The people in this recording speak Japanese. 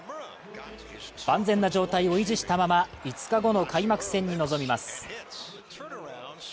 万全な状態を維持したまま５日後の開幕戦に臨みます。